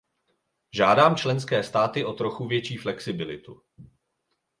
Žádám členské státy o trochu větší flexibilitu.